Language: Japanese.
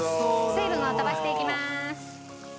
水分を飛ばしていきます。